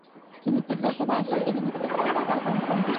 তিনি তিব্বতের রাজপ্রতিনিধি পদে দায়িত্ব লাভ করেন।